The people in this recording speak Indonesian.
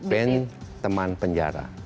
band teman penjara